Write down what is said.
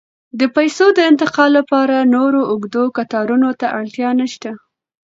د پیسو د انتقال لپاره نور اوږدو کتارونو ته اړتیا نشته.